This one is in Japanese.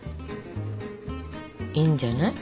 いいんじゃない？